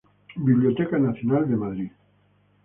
Biblioteca Nacional de Madrid.